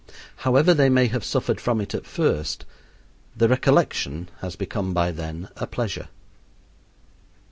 However they may have suffered from it at first, the recollection has become by then a pleasure.